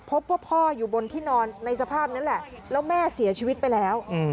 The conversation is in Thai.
พบว่าพ่ออยู่บนที่นอนในสภาพนั้นแหละแล้วแม่เสียชีวิตไปแล้ว